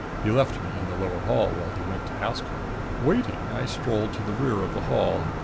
He left me in the lower hall while he went to ask her. Waiting, I strolled to the rear of the hall.